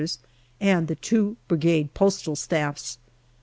's, and the two Brigade postal staffs.